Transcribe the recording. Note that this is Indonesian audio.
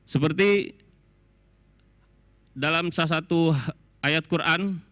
seperti dalam salah satu ayat quran